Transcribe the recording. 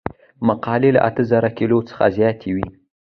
مقالې له اته زره کلمو څخه زیاتې وي.